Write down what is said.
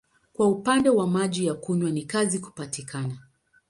Kwa upande wa maji ya kunywa ni kazi kupatikana.